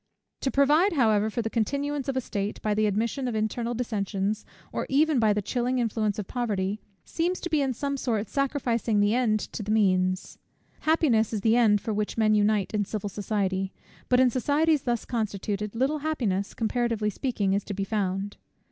To provide, however, for the continuance of a state, by the admission of internal dissensions, or even by the chilling influence of poverty, seems to be in some sort sacrificing the end to the means. Happiness is the end for which men unite in civil society; but in societies thus constituted, little happiness, comparatively speaking, is to be found.